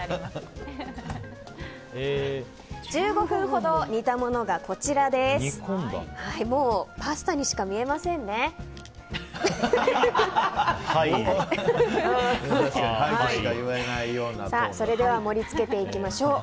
１５分ほど煮たものがこちらです。